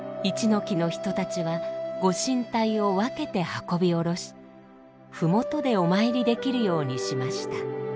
木の人たちはご神体を分けて運び下ろし麓でお参りできるようにしました。